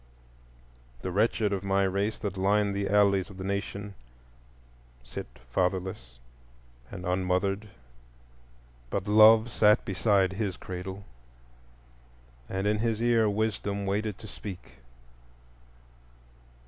The wretched of my race that line the alleys of the nation sit fatherless and unmothered; but Love sat beside his cradle, and in his ear Wisdom waited to speak.